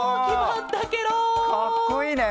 かっこいいね。